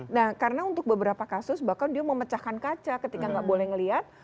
nah karena untuk beberapa kasus bahkan dia mau mecahkan kaca ketika gak boleh ngelihat